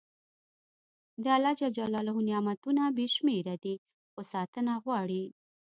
د الله نعمتونه بې شمېره دي، خو ساتنه غواړي.